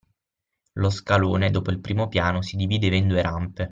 Lo scalone, dopo il primo piano, si divideva in due rampe